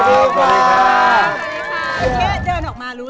ทอลัสค่ะสวัสดีค่ะสวัสดีค่ะสวัสดีค่ะสวัสดีค่ะ